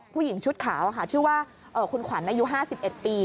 ผู้หญิงชุดขาวค่ะชื่อว่าคุณขวัญอายุ๕๑ปี